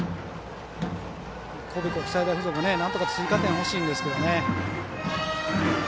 神戸国際大付属なんとか追加点が欲しいんですが。